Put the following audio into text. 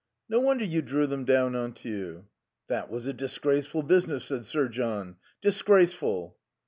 "No wonder you drew them down on to you." "That was a disgraceful business," said Sir John. "Disgraceful."